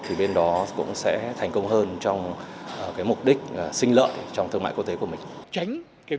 thì bên đó cũng sẽ thành công hơn trong mục đích sinh lợi trong thương mại quốc tế của mình